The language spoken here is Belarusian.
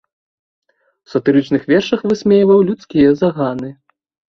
У сатырычных вершах высмейваў людскія заганы.